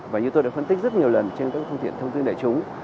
và như tôi đã phân tích rất nhiều lần trên các phương tiện thông tin đại chúng